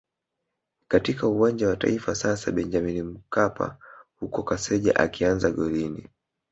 katika Uwanja wa Taifa sasa Benjamin Mkapa huku Kaseja akianza golini